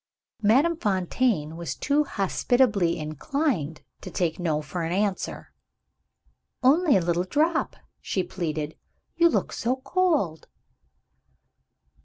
Madame Fontaine was too hospitably inclined to take No for an answer. "Only a little drop," she pleaded. "You look so cold."